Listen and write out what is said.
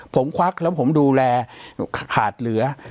ผมควักแล้วผมดูแลขาดเหลือ